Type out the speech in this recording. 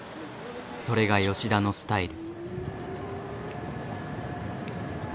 それが吉田のスタイル。